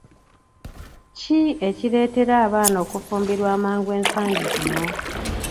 Ki ekireetera abaana okufumbirwa amangu ensangi zino?